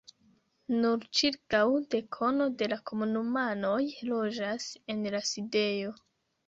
Nur ĉirkaŭ dekono de la komunumanoj loĝas en la sidejo.